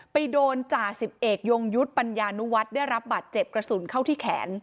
ไปโดนจ่าสิบเอกยงยุทธ์ปัญญานุวัฒน์ได้รับบาดเจ็บกระสุนเข้าที่แขน